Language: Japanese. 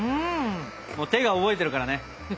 もう手が覚えてるからね！